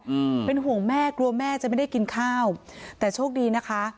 อืมเป็นห่วงแม่กลัวแม่จะไม่ได้กินข้าวแต่โชคดีนะคะ